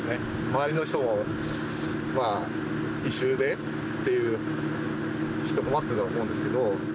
周りの人も、まあ、異臭でっていう、きっと困っていたと思うんですけど。